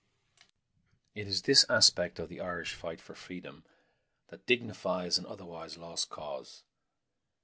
It is this aspect of the Irish fight for freedom that dignifies an otherwise lost cause.